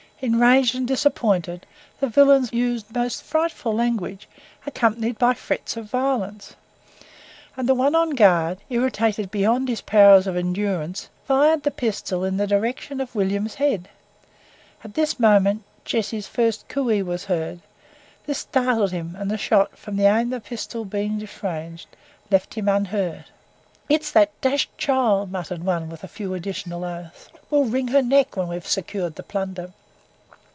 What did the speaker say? Enraged and disappointed, the villains used most frightful language, accompanied by threats of violence; and the one on guard, irritated beyond his powers of endurance, fired the pistol in the direction of William's head. At this moment Jessie's first "coo ey" was heard: this startled him, and the shot, from the aim of the pistol being disarranged, left him unhurt. "It's that d d child," muttered one, with a few, additional oaths; "we'll wring her neck when we've secured the plunder."